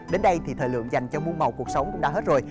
đến đây thì thời lượng dành cho muôn màu cuộc sống cũng đã hết rồi